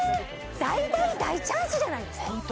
大大大チャンスじゃないですかホント！